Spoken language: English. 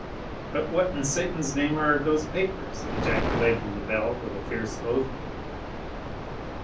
"But what in Satan's name are those papers?" ejaculated Lebel with a fierce oath.